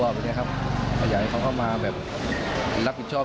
ว่าอยากเขาเข้ามารับผิดชอบ